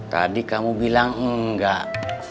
tadi kamu bilang enggak